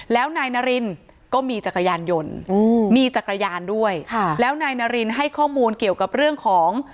แล้วนายนารินก็มีจักรยานยนต์มีจักรยานด้วยค่ะแล้วนายนารินให้ข้อมูลเกี่ยวกับเรื่องของ